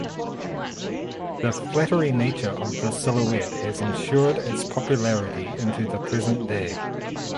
The flattering nature of the silhouette has ensured its popularity into the present day.